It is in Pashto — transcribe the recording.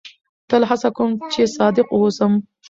تل هڅه کوم، چي صادق واوسم.